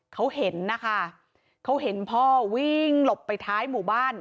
เขาเห็นนะคะเขาเห็นพ่อวิ่งหลบไปท้ายหมู่บ้าน